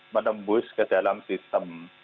menembus ke dalam sistem